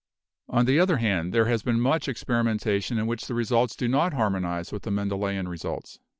On the other hand, there has been much experimenta tion in which the results do not harmonize with the Men delian results.